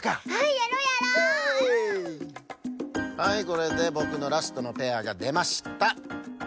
はいこれでボクのラストのペアがでました！